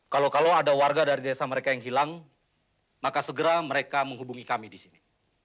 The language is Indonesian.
kalau kalau ada warga dari desa mereka yang hilang maka segera mereka menghubungi kami di sini